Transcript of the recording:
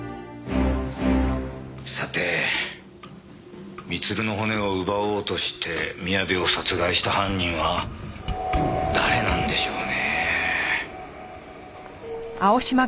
さて光留の骨を奪おうとして宮部を殺害した犯人は誰なんでしょうね。